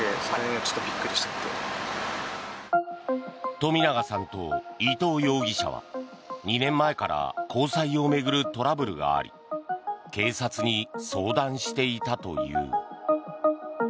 冨永さんと伊藤容疑者は２年前から交際を巡るトラブルがあり警察に相談していたという。